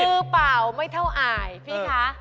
มือเปล่าไม่เท่าอายพี่คะ